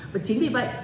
và chính vì vậy